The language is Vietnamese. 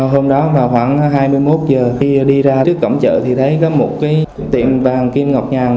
hôm đó vào khoảng hai mươi một giờ khi đi ra trước cổng chợ thì thấy có một cái tiệm vàng kim ngọc nhàn